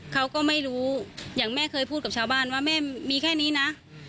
เขาก็ไม่รู้ว่าแม่เคยพูดแม่มีแค่นี้นะ